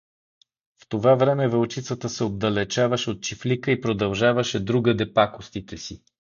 В това време вълчицата се отдалечаваше от чифлика и продължаваше другаде пакостите си.